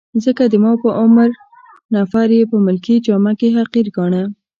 ځکه د ما په عمر نفر يې په ملکي جامه کي حقیر ګاڼه.